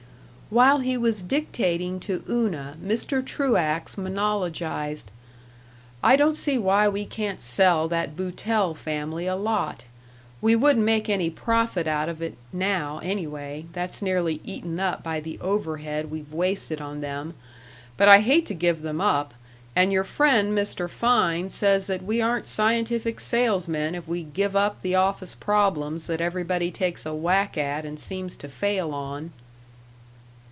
§ 4 While he was dictating to Una, Mr. Truax monologized: "I don't see why we can't sell that Boutell family a lot. We wouldn't make any profit out of it, now, anyway that's nearly eaten up by the overhead we've wasted on them. But I hate to give them up, and your friend Mr. Fein says that we aren't scientific salesmen if we give up the office problems that everybody takes a whack at and seems to fail on."